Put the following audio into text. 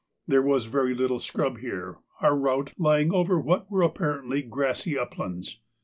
There was very little scrub here, our route lying over what were apparently grassy uplands.